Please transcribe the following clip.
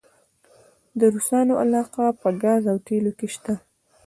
د روسانو علاقه په ګاز او تیلو کې شته؟